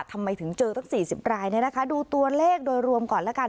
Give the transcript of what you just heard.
ทำไมถึงเจอตั้ง๔๐รายเนี่ยนะคะดูตัวเลขโดยรวมก่อนแล้วกัน